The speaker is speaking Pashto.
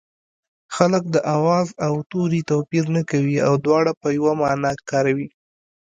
خلک د آواز او توري توپیر نه کوي او دواړه په یوه مانا کاروي